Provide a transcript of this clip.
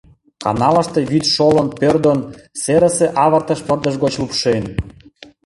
Каналыште вӱд шолын, пӧрдын, серысе авыртыш пырдыж гоч лупшен.